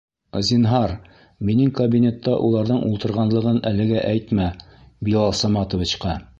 Зинһар, минең кабинетта уларҙың ултырғанлығын әлегә әйтмә Билал Саматовичҡа.